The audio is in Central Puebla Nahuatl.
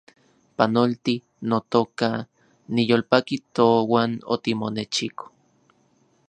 Panolti, notoka , niyolpaki touan otimonechiko